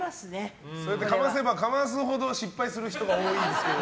かませばかますほど失敗する人が多いですけど。